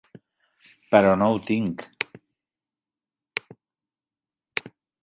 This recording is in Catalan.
Però no ho tinc.